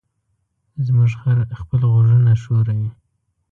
زموږ خر خپل غوږونه ښوروي.